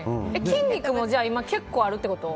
筋肉も結構あるってこと？